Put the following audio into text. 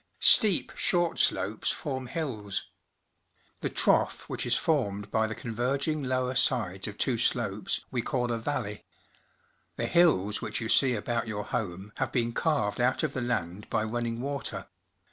Steep, short slopes form hills. The trough which is formed by the converging lower sides of two slopes we call a valley. The hills which j'ou see about your home have been carved out of the land by running water.